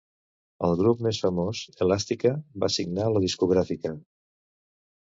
El grup més famós, Elastica, va signar la discogràfica.